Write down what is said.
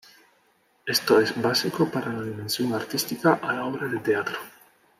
Esto es básico para la dimensión artística a la obra de teatro.